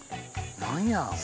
何や。